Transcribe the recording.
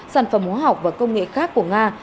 sản phẩm hóa học và công nghệ khác của nga